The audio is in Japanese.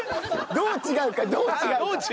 どう違うかね。